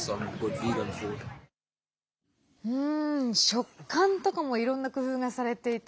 食感とかもいろんな工夫がされていて